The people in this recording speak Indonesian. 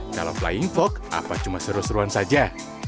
dalam flying fox apa cuma seru seruan saja